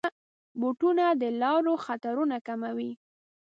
بوټونه د لارو خطرونه کموي.